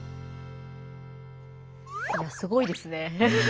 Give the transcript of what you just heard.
いやすごいですね。